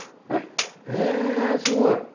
えー、すごい。